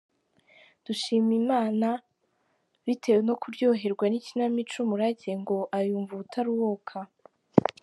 Dushimimana bitewe no kuryoherwa n’ikinamico ‘Umurage’ ngo ayumva ubutaruhuka.